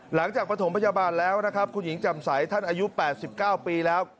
ประถมพยาบาลแล้วนะครับคุณหญิงจำใสท่านอายุ๘๙ปีแล้ว